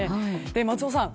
松尾さん